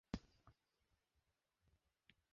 আমরা কোনো অন্ধ কুকুরকে প্রতিযোগি হিসেবে নিতে পারবো না।